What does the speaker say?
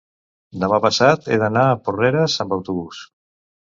Demà passat he d'anar a Porreres amb autobús.